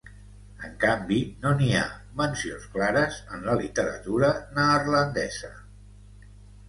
En canvi, no n'hi ha mencions clares en la literatura neerlandesa.